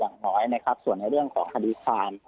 อย่างน้อยนะครับส่วนในเรื่องของคดีความ